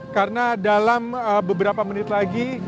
karena dalam beberapa menit lagi